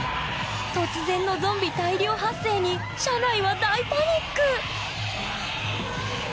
突然のゾンビ大量発生に車内は大パニック！